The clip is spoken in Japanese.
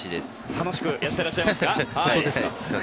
楽しくやってらっしゃいますか。